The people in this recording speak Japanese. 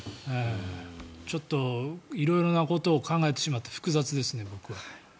ちょっと色々なことを考えてしまって複雑ですね、僕は。